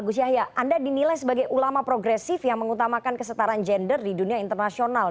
gus yahya anda dinilai sebagai ulama progresif yang mengutamakan kesetaraan gender di dunia internasional